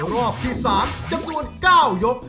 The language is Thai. รอบที่๓จำนวน๙ยก